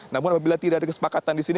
namun apabila tidak ada kesepakatan disini